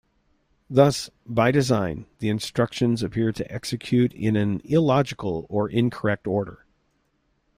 Thus, by design, the instructions appear to execute in an illogical or incorrect order.